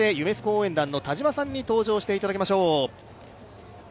応援団の田島さんに登場していただきましょう。